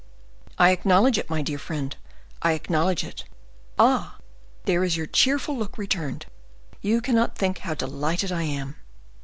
"I acknowledge it, my dear friend, I acknowledge it. Ah! there is your cheerful look returned. You cannot think how delighted I am."